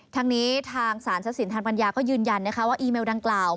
ทางนี้ทางสารทรัพย์สินทางปัญญาก็ยืนยันนะคะว่าอีเมลดังกล่าว